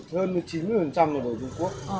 khoảng hơn chín mươi là đồ trung quốc